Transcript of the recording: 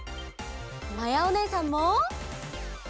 まやおねえさんも！